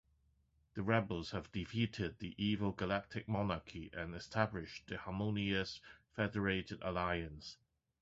The rebels have defeated the evil Galactic Monarchy and established the harmonious Federated Alliance.